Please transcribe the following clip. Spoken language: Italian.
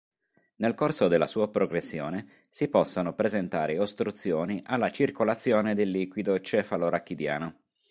Nel corso della sua progressione, si possono presentare ostruzioni alla circolazione del liquido cefalorachidiano.